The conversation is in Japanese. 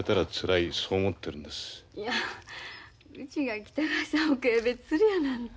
いやうちが北川さんを軽蔑するやなんて。